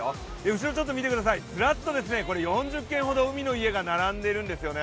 後ろ見てくださいずらっと４０軒ほど、海の家が並んでいんですよね。